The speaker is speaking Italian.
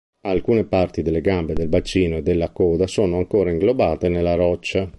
Alcune parti delle gambe, del bacino e della coda sono ancora inglobate nella roccia.